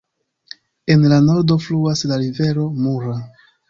En la nordo fluas la rivero Mura.